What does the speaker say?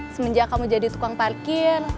semenjak kamu jadi tukang parkir